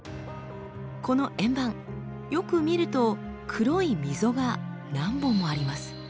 この円盤よく見ると黒い溝が何本もあります。